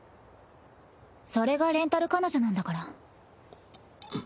それがレンタル彼女なんだから。